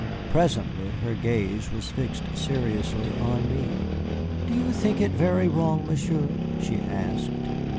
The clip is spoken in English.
Presently her gaze was fixed seriously on me. "Do you think it very wrong, Monsieur?" she asked.